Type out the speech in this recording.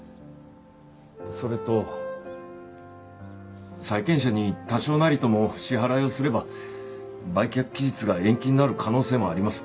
それと債権者に多少なりとも支払いをすれば売却期日が延期になる可能性もあります。